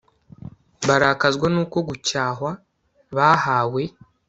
barakazwa nuko gucyahwa bahawe